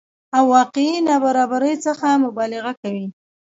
او واقعي نابرابرۍ څخه مبالغه کوي